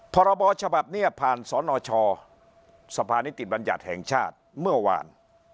พรฉเนี่ยผ่านสนชสนยแห่งชาติเมื่อวาน